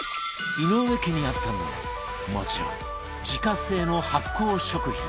井上家にあったのはもちろん自家製の発酵食品